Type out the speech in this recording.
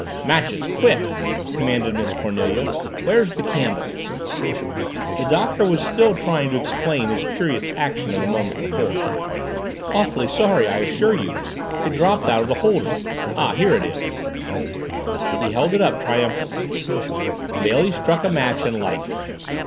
"Matches, quick!" commanded Miss Cornelia. "Where's the candle?" The Doctor was still trying to explain his curious action of a moment before. "Awfully sorry, I assure you it dropped out of the holder ah, here it is!" He held it up triumphantly. Bailey struck a match and lighted it.